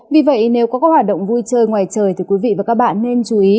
vì vậy nếu có các hoạt động vui chơi ngoài trời thì quý vị và các bạn nên chú ý